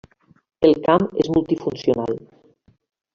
El camp és multifuncional.